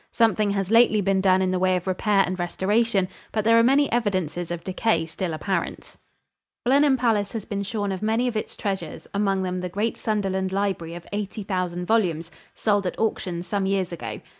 Something has lately been done in the way of repair and restoration, but there are many evidences of decay still apparent. [Illustration: RINGWOOD CHURCH.] Blenheim Palace has been shorn of many of its treasures, among them the great Sunderland Library of 80,000 volumes, sold at auction some years ago.